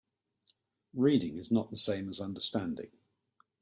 Reading is not the same as understanding.